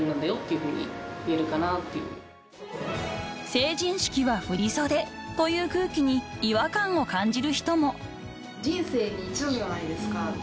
［成人式は振り袖という空気に違和感を感じる人も］